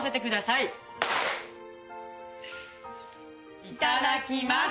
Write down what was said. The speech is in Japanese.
いただきます。